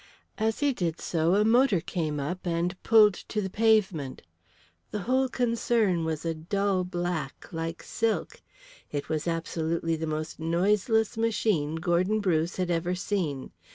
As he did so a motor came up and pulled to the pavement. The whole concern was a dull black, like silk; it was absolutely the most noiseless machine Gordon Bruce had ever seen.